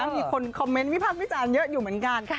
บางคนคอมเม้นทนวิทย์เยอะอยู่เหมือนกัน